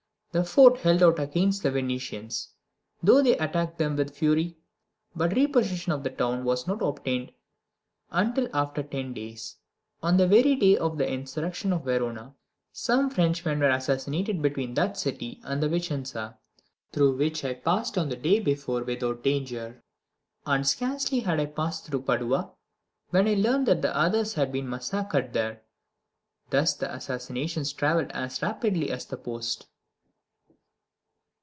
The forts held out against the Venetians, though they attacked them with fury; but repossession of the town was not obtained until after ten days. On the very day of the insurrection of Verona some Frenchmen were assassinated between that city and Vicenza, through which I passed on the day before without danger; and scarcely had I passed through Padua, when I learned that others had been massacred there. Thus the assassinations travelled as rapidly as the post.